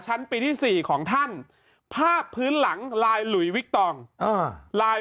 ชั้นปีที่๔ของท่านภาพพื้นหลังลายหลุยวิกตองลาย